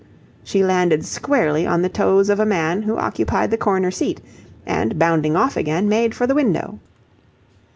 She landed squarely on the toes of a man who occupied the corner seat, and, bounding off again, made for the window.